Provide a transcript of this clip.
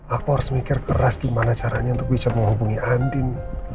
aku harus mikir keras gimana caranya untuk bisa menghubungi andin